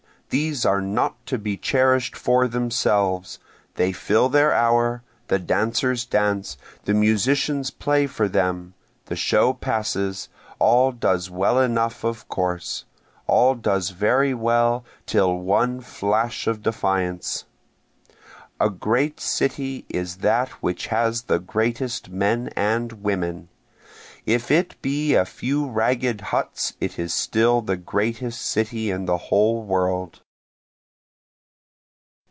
these are not to be cherish'd for themselves, They fill their hour, the dancers dance, the musicians play for them, The show passes, all does well enough of course, All does very well till one flash of defiance. A great city is that which has the greatest men and women, If it be a few ragged huts it is still the greatest city in the whole world.